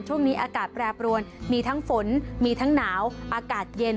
ช่วงนี้อากาศแปรปรวนมีทั้งฝนมีทั้งหนาวอากาศเย็น